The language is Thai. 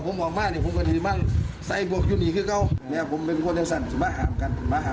เขามาตีในบานเข้าน้ำ